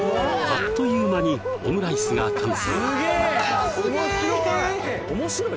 あっという間にオムライスが完成